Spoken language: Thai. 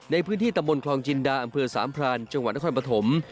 ในพื้นที่ตำบลคลองจินดาอำเภอสามพรานจังหวัดนครปฐม